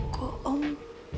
kok om tahu